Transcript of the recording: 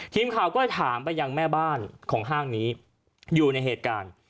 ทีมข่าวก็เลยถามไปยังแม่บ้านของห้างนี้อยู่ในเหตุการณ์